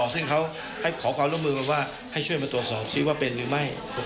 ซึ่งเขาให้ขอความร่วมมือกันว่าให้ช่วยมาตรวจสอบซิว่าเป็นหรือไม่